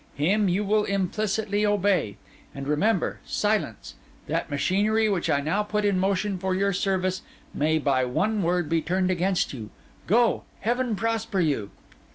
Him you will implicitly obey. And remember, silence! That machinery, which I now put in motion for your service, may by one word be turned against you. Go; Heaven prosper you!